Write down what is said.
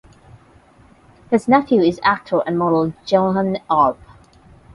His nephew is actor and model Johann Urb.